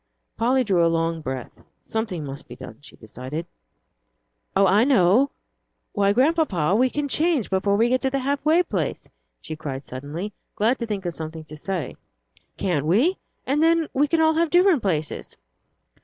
Polly drew a long breath. "Something must be done," she decided. "Oh, I know. Why, Grandpapa, we can change before we get to the halfway place," she cried suddenly, glad to think of something to say. "Can't we? And then we can all have different places."